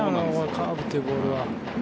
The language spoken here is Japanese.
カーブというボールは。